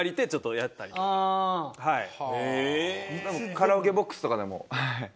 カラオケボックスとかでもはい。